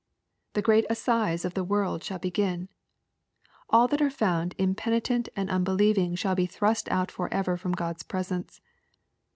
The great assize of the world shall begin. All that are found impenitent and unbelieving shall be thrust out forever from God's presence.